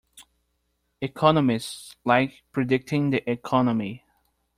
Economists like predicting the Economy.